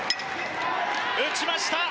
打ちました！